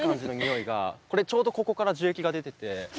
ちょうどここから樹液が出てて。